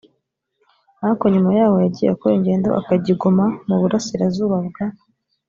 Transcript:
ariko nyuma yaho yagiye akora ingendo akajya i goma mu burasirazuba bwa